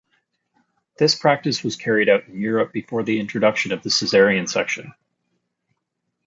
This practice was carried out in Europe before the introduction of the Caesarean section.